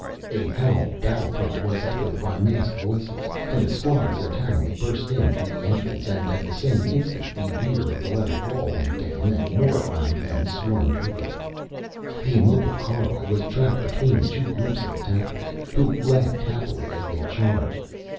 A howled battlecry was echoed by massed voices and a squad of D'zertanoj burst in through the entrance, and at the same instant the rear of the leather wall went down and more armed men swarmed over it. The immobile caroj was trapped between the two groups of attackers who laughed happily as they charged.